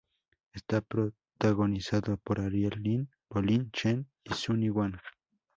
Está protagonizada por Ariel Lin, Bolin Chen y Sunny Wang.